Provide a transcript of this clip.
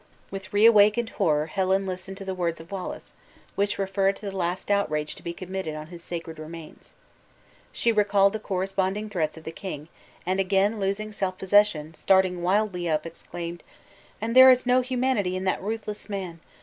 With reawakened horror Helen listened to the words of Wallace, which referred to the last outrage to be committed on his sacred remains. She recalled the corresponding threats of the king, and again losing self possession, starting wildly up, exclaimed: "And is there no humanity in that ruthless man!